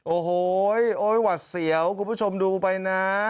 โอ้โหโอ๊ยหวัดเสียวคุณผู้ชมดูไปนะ